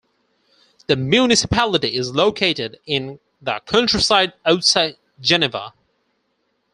The municipality is located in the countryside outside Geneva.